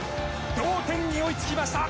同点に追いつきました。